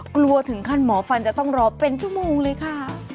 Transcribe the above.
กลัวถึงขั้นหมอฟันจะต้องรอเป็นชั่วโมงเลยค่ะ